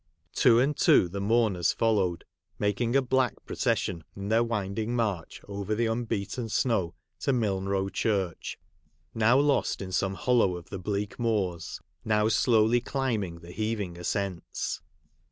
Two and two the mourners followed, making a black procession, in their winding march over the unbeaten snow, to Milne E.ow Church — now lost in some hollow of the bleak moors, now slowly climb ing the heaving ascents.